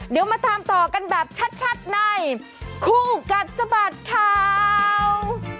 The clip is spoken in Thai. เดี๋ยวมาตามต่อกันแบบชัดในคู่กัดสะบัดข่าว